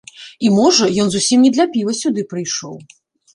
І, можа, ён зусім не для піва сюды прыйшоў.